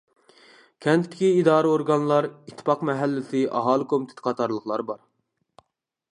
كەنتتىكى ئىدارە-ئورگانلار ئىتتىپاق مەھەللىسى ئاھالە كومىتېتى قاتارلىقلار بار.